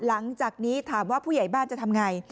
หลังจากนี้ถามว่าผู้ใหญ่บ้านจะทำไง